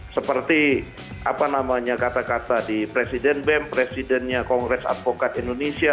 seperti apa namanya kata kata di presiden bem presidennya kongres advokat indonesia